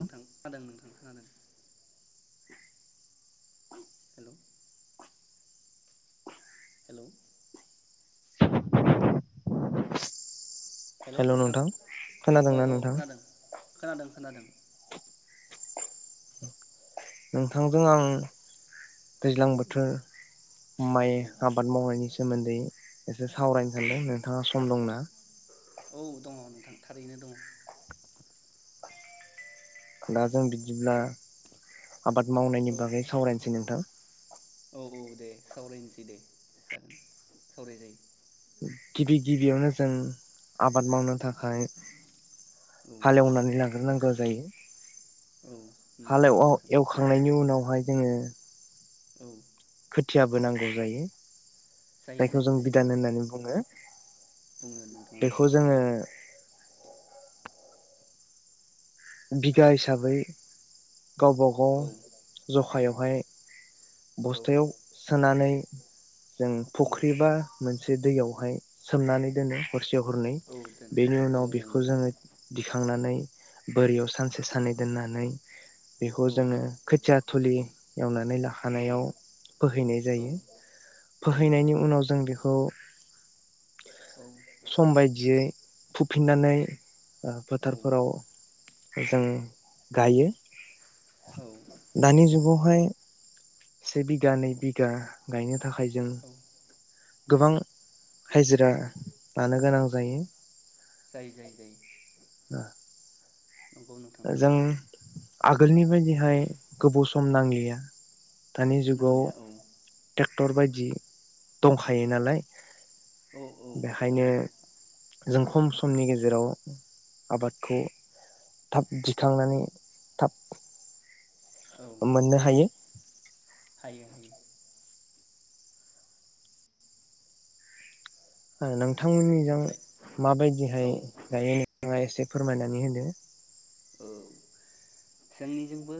नोंथां नोंथां खोनादों। [inaudible] [inaudible] [inaudible] हेल' नोंथां औ खोनादोंना औ नोंथां। खोनादों खोनादों खोनादों। नोंथांजों आं दैज्लां बोथोर। माय औ आबाद मावनायनि सोमोन्दै। एसे सावरायनो औ सानदों नोंथाङा सम दंना। औ दङ नोंथां थारैनो दं। दाजों बिदिब्ला। आबाद औ मावनायनि बागै सावरायनोसै नोंथां। औ औ दे सावरायनोसै दे जागोन सावराय जायो। गिबि गिबियावनो जों आबाद मावनो थाखाय माय औ हालेवनानै ला हारनांगौ जायो। औ उम जायो हालेवआव नोंथां अ एवखांनायनि उनाव। बेवहाय जोङो। औ [inaudible] खुथियाबो नांगौ जायो। जायो जायखौ जायो जों जायो बिधान होननानै बुङो बुङो नोंथां औ बेखौ जोङो बिगा हिसाबै गावबा गाव औ ज हायावहाय औ बस्थायाव सोनानै जों फुख्रिबा मोनसे दैयाव बेहाय सोमनानै दोनो हरसेयाव हरनै औ दोनो बेनि औ उनाव बेखौ नोंथां जोङो दिखांनानै बोरियाव सानसे सानै दोननानै बेखौ औ जोङो खोथिया थुलि एवनानै औ थानायाव फोहैनाय औ जायो जायो जायो फोहैनायनि उनाव जों बेखौ औ समबाय दियै फुफिन्नानै औ फोथारफोराव जों गायो। औ दानि जुगाव हाय से बिघा नै बिघा गायनो थाखा आइ जों औ गोबां हाजिरा लानो गोनां जायो। जायो जायो जायो दा औ नोथां नंगौ आगोलनि बायदिहाय गोबाव सम नांलिया दानि जुगाव नांलाया टक औ टेक्टर बायदि दंखायो नालाय। औ औ दङ बेखायनो जों खम समनि गेजेराव आबादखौ थाब दिखांनानै थाब मोननो हायो। हायो हायो नों नोंथमोननिजों ओमफ्राय माबायदिहाय औ गायो थाङा एसे फोरमायनानै होदो। औ जोंनिजोंबो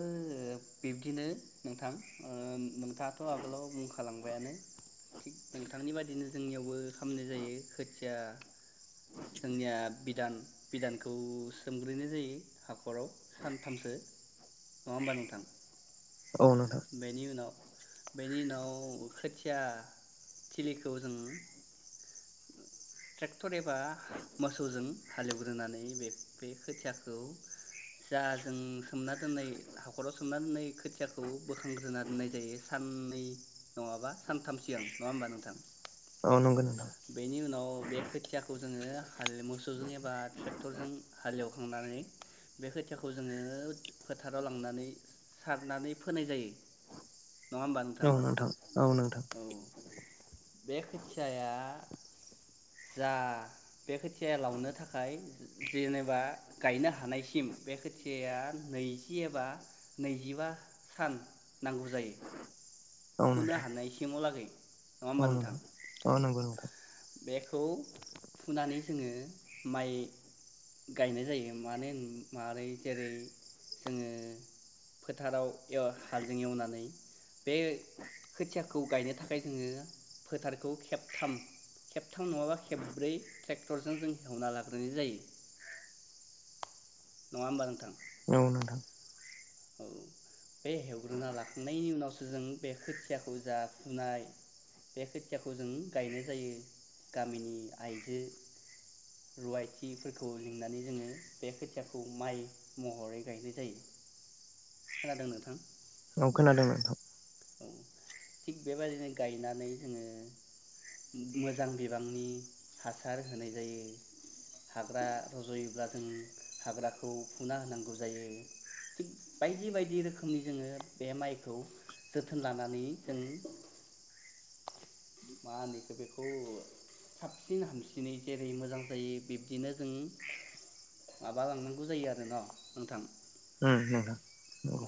बिब्दिनो नोंथां ओ नों थाथ' आगोलाव बुं खाला बायानो थिग नोंथांनि बादिनो जोंनियावबो खालामनाय जायो खोथिया या जोंनिया बिदान बिदानखौ सोमग्रोननाय जायो हाख खराव सानथामसो। नङा होनबा नोंथां? औ नोंथां बेनि उनाव बेनि उनाव खोथिया थिलिखौ जों ट्रेक टर एबा मोसौजों हालेवग्रोनानै बे बे खोथियाखौ जा जों सोमना दोननाय हाख'राव सोमना दोननाय खोथियाखौ बोखां ग्रोना दोननाय जायो सान नै नङाबा सानथाम सिगां नङा होमबा नोंथां? औ नंगौ नोंथां। बेनि उनाव बे खोथियाखौ जोङो हाल मोसौजों एबा ट्रेक्टरजों हालेवखांनानै बे खोथियाखौ जोङो फोथाराव लांनानै सारनानै फोनाय जायो। नङा होमबा औ नोंथां औ नोंथां। औ बे खोथियाया जा बे खोथिया लावनो थाखाय जेनेबा गायनो हानायसिम बे खोथियाया नैजि एबा नैजिबा सान नांगौ जायो। औ फुनो नोंथां हानाय सिङाव लागै औ नोंथां औ नोंगौ नोंथां। बेखौ फुनानै जोङो माइ गायनाय जायो मानो होन मोरै जेरै जोङो फोथाराव एव हालजों एवनानै बे खोथियाखो खौ गायनो थाखाय जोङो फोथारखौ खेबथाम थाम नङाबा खेब्ब्रै ट्रेक्टरजों जों हेवना लाग्रोनाय जायो। नङा होनबा नोंथां? नंगौ नोंथां। औ। बे हेवग्रोना लाखांनायनि उनाव जों बे खोथियाखौ जा फुनाय बे खोथियाखौ जों गायनाय जायो गामिनि आइजो रुवाथिफोरखौ लिंनानै जोङो बे खोथियाखौ माइ महरै गायनाय जायो खोनादों नोंथां औ खोनादों नोंथां औ थिग बेबायदिनो गायनानै जोङो मोजां बिबांनि हासार होनाय जायो हाग्रा रजयोब्ला जों हाग्राखौ फुना होनांगौ जायो थिग बायदि बायदि रोखोमनि जोङो बे माइखौ जोथोन लानानै जों मा होनो बेखौ साबसिन हामसिनै जेरै मोजां जायो बिब्दिनो जों माबा लांनांगौ जायो आरो न नोंथां उम नोंग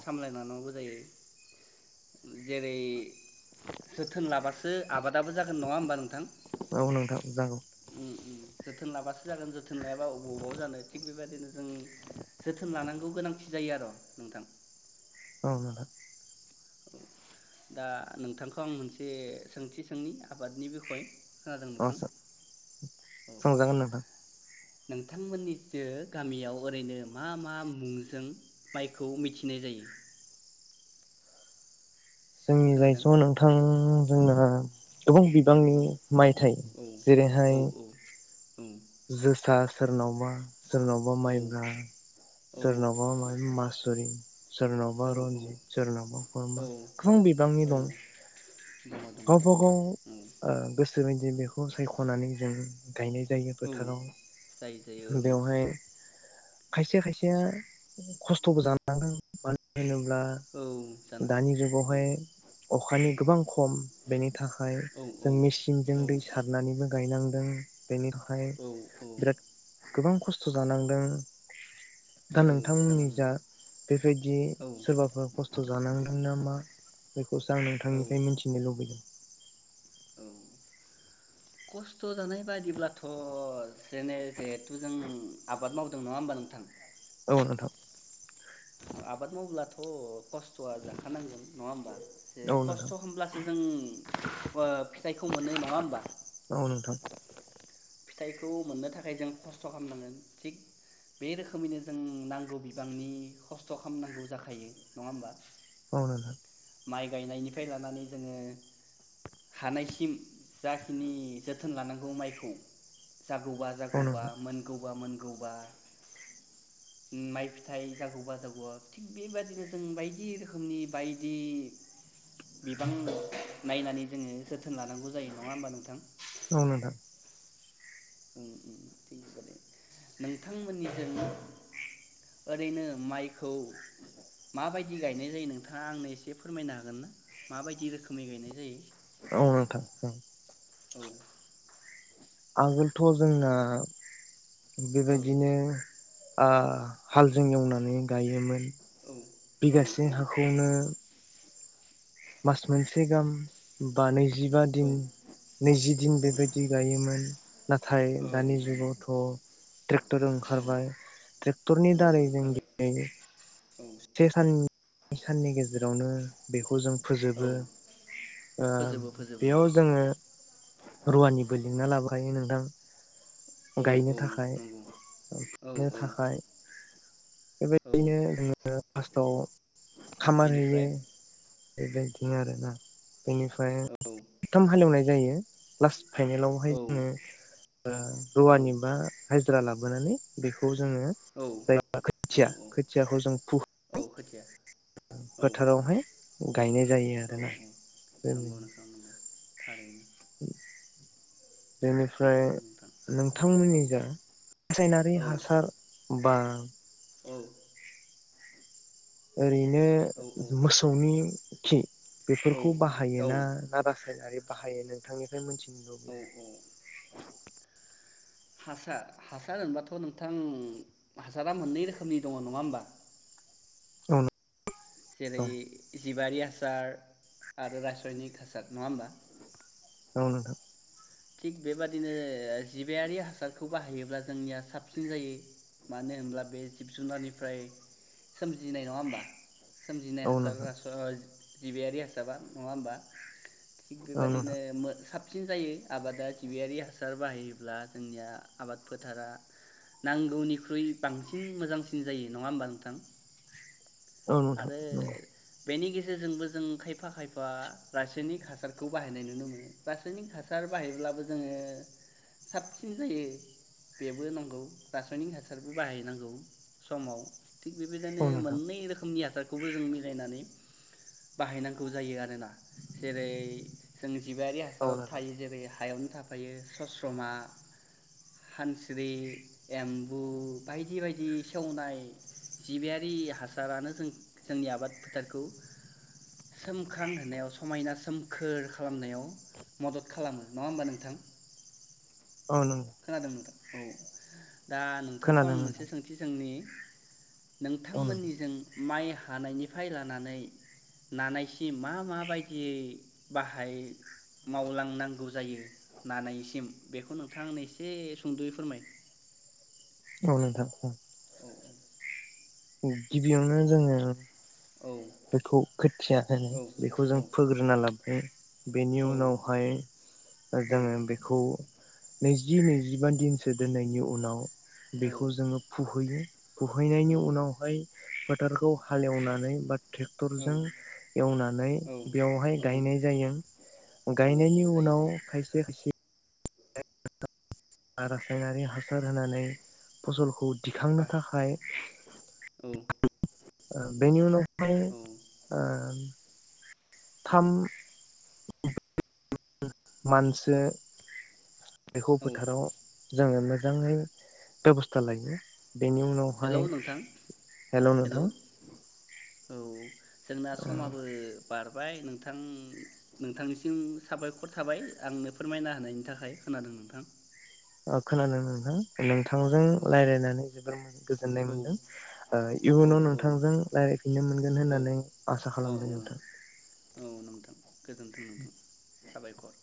सामलायलांनांगौ जायो जेरै जोथोन लाबासो आबादाबो जागोन नङा होमबा नोंथां औ नोंथां जागौ उम उम जोथोन लाबासो जागोन जोथोन लायाबा बबाव बबाव जानो थिग बेबायदिनो जों जोथोन लानांगौ गोनांथि जायो आरो नोंथां औ नोंथां औ दा नोंथांखौ आं मोनसे सोंथि सोंनि आबादनि बिखय खोनादों अ नोंथां स औ सोंजागोन नोंथां नोंथांमोननिसो गामियाव ओरैनो मा मा मुंजों माइखौ मिथिनाय जायो जोंनि जायथ खोनादों नोंथां जोंना गोबां बिबांनि मायथाइ औ औ जेरैहाय जोसा सोरनावबा सोरनावबा औ माइब्रा सोरनावबा माइ मासुरि सोरनावबा औ रनजित सोरनावबा औ खुरमा गोबां बिबांनि औ दं दङ दङ गावबा गाव औ ओ गोसो बेबायदि बेखौ सायखनानै जों गायनाय जायो औ जायो जायो फोथाराव ओं बेवहाय खायसे खायसेया खस्थबो जानांगदों मानो होनोब्ला औ दा दानि जुगाव जानांगोन औ हाय अखानि गोबां खम बेनि थाखाय औ जों मेचिनजों औ दै सारनानैबो गायनांगौ जों बेनिफ्राय औ औ बिराथ गोबां खस्थ जानांदों दा औ नोंथांमोननि सानाङो जा बेबायदि औ सोरबाफोर खस्थ जानांदों नामा खौसो आं नोंथांनिफ्राय मिथिनो लुबैयो औ। खस्थ जानाय बायदिब्लाथ जेने जिहेथु जों आबाद मावदों नङा होमबा नोंथां। औ नोंथां। आबाद मावब्लाथ खस्थआ जाखानांगोन नङा होमबा? एसे औ नोंथां खस्थ होमब्लासो जों ओ फिथाइखौ मोनो नङा होमबा? औ नोंथां फिथाइखौ मोननो थाखाय जों खस्थ खालामनांगोन थिग बे रोखोमैनो जों नांगौ बिबांनि खस्थ खालामनांगौ जाखायो नङा होमबा? औ नोंथां। माइ गायनायनिफ्राय लानानै जोङो हानायसिम जाखिनि जोथोन लानांगौ माइखौ जागौबा औ जागौबा नोंथां मोनगौबा मोनगौ गौबा माइ फिथाइ जागौबा जागौबा थिग बेबायदिनो जों बायदि रोखोमनि बायदि बिबां नायनानै जोङो जोथोन थोन लानांगौ जायो नङा होमबा नोंथां। औ नोंथां ओम ओम थिग बेबादिनो नोंथांमोननिजों ओरैनो माइखौ माबायदि गायनाय जायो नोंथाङा आंनो एसे फोरमायनो हागोन ना माबायदि रोखोमै गायनाय जायो। औ नोंथां ओं। औ। आगोलथ जोंना। औ बेबायदिनो। आ हालजों एवनानै गायोमोन। औ औ बिगासे हाखौनो। मास मोनसे गाहाम बा नैजिबा दिन औ नैजि दिन ओं बेबायदि गायोमोन नाथाय दानि ओं जुगावथ ट्रेक्टर औ ओंखारबाय ट्रेक्टरनि औ दारै जों ओंखारबाय दिनै औ से सान साननि गेजेरावनो बेखौ जों औ फोजोबो ओ फोजोबो फोजोबो बेयाव जोङो। रुवानिबो लिंना लाबोखायो नोंथां। औ औ गायनो थाखाय नंगौ औ [unintelligible] औ थाखाय। औ बेबायदिनो जोङो मास औ। खामार होयो। बेनिफ्राय बेबायदिनो आरोना। बेनिफ्राय औ औ [inaudible] थाम हाल एवनाय जायो लास फाइनेलावहाय औ जोङो ओ औ रुवानि बा हाजिरा ला बोनानै बेखौ। जोङो औ जाया खोथिया औ खोथियाखौ जों औ फुहोनानै खोथिया औ फोथारावहाय। गायनाय जायो आरोना औ बेबायदि। नंगौ नोंथां नंगौ थारैनो। [inaudible] बेनिफ्राय बिब्दिनो नोंथां औ नोंथांमोननि जों रासायनारि औ हासार बा औ। ओरै नो औ मोसौनि खि औ बेफोरखौ औ बाहायोना ना रासायनारि बाहायो नोंथांनिफ्राय मोनथि औ लुबोयो औ हासार हासार होनबाथ नोंथां हासारा मोननै रोखोमनि दङ नङा होमबा जेरै जिबारि हास सार आरो रासयनिक हासार नङा होमबा औ नोंथां थिग बेबादिनो जिबायारि हासारखौ बाहायोब्ला जोंनिया साबसिन जायो मानो होनब्ला बे जिब जुनारनिफ्राय सोमजिनाय नङा होमबा सोमजिनाय औ हासार नोंथां रासय जिबियारि हासारा नङा होमबा थिग औ बेबायदिनो नोंथां मो साब सिन जायो आबादा जिबियारि हासार बाहायोब्ला जोंनिया आबाद फोथारा नांगौनिख्रुइ बांसिन मोजांसिन जायो नङा होमबा नोंथां औ नोंथां आरो नोंगौ बेनि गेजेरजोंबो जों खायफा खायफा रासयनिक हासारखौ बाहायनाय नुनो मोनो रासयनिक हासार बाहायब्लाबो जोङो साबसिन जायो बेबो नंगौ रासयनिक हासारबो बाहायनांगौ समाव थिग औ बेबायदिनो नोंथां नंगौ मोन्नै रोखोम इ हासारखौबो जों मिलायनानै बाहायनांगौ जायो आरोना जेरै जों जिबियारि औ नोंथां औ हासाराव नोंथां थायो जेरै हायावनो थाफायो सस्रमा, हानस्रि, एम्बु बायदि बायदि सेवनाय जिबियारि हासारानो जों-जोंनि आबाद फोथारखौ सोमखां होनायाव समायना सोमखोर खालामनायाव मदद खालामो नङा होमबा नोंथां औ नों खोनादों नोंथां औ दा नोंथांखौ आं नोंथां मोनसे सोंथि सोंनि औ नोंथां नोंथांमोननिजों माइ हानायनिफ्राय लानानै नानायसिम मा माबायदियै बाहाय मावलांनांगौ जायो नानायसिम बेखौ नोंथां आंनो एसे सुंदयै फोरमाय औ नोंथां बुं औ गिबियावनो जोङो औ बेखौ खोथिया होनो औ बेखौ औ जों फोग्रोना लाबाय बेनि उनावहाय औ जोङो बेखौ नैजि नैजिबा दिनसो दोननायनि उनाव बेखौ जोङो फुहैयो। फुहैनायनि औ उनावहाय फोथ थारखौ हालेवनानै बाद टेक्टरजों एवनानै औ बेवहाय औ गायनाय जायो गायनायनि औ जायो उनाव जायो खायसे खायसे आरो रासायनारि हासार होनानै फसलखौ दिखांनो बा थाखाय औ [unintelligible] बेनि उनाव। हाय ओ। थाम। मानसो। बिखौ औ फोथाराव जोङो। मोजाङै बेबस्था लायो। बेनि उनावहाय हेलौ नोंथां हेल हेलौ नोंथां। औ। जोंना ओ समाबो बार बाय नोंथां नोंथांनिसिम साबायखर थाबाय आंनो फोरमायना होनायनि थाखाय खोनादों नोंथां। खोनादों नोंथां। नोंथांजों औ रायलायनानै जोबोर गोजोननाय औ मोनदों औ इयुनाव नोंथांजों रायजलायफिननो मोनगोन औ होननानै आसा औ खालामबाय नोंथां। औ नोंथां गोजोन्थों नोंथां साबायखर।